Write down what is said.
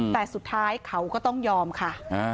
แต่สุดท้ายเขาก็ต้องยอมค่ะ